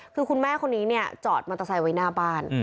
คือคุณแม่คนนี้เนี่ยจอดมอเตอร์ไซค์ไว้หน้าบ้าน